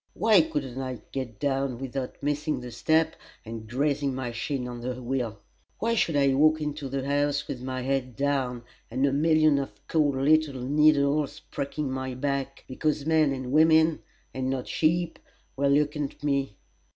Why couldn't I get down without missing the step and grazing my shin on the wheel? Why should I walk into the house with my head down, and a million of cold little needles pricking my back, because men and women, and not sheep, were looking at me?